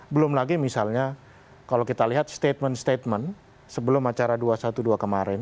belum lagi misalnya kalau kita lihat statement statement sebelum acara dua ratus dua belas kemarin